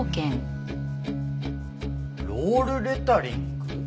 ロールレタリング？